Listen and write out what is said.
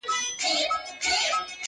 بختور وي چي یې زه غیږي ته ورسم!!